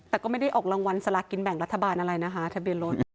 แต่ก็ไม่ได้ออกรางวัลสลากินแบ่งรัฐบาลอะไรนะคะทะเบียนรถ